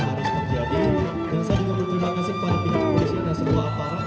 harus terjadi dan saya juga berterima kasih kepada pihak kepolisian dan semua aparat